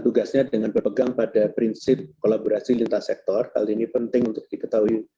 tugasnya dengan berpegang pada prinsip kolaborasi lintas sektor hal ini penting untuk diketahui